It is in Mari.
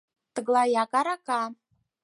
Тыглаяк арака.